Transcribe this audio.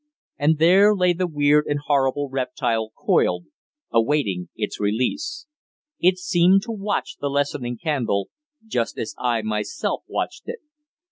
And there lay the weird and horrible reptile coiled, awaiting its release. It seemed to watch the lessening candle, just as I myself watched it.